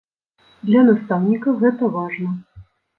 Для настаўніка гэта важна.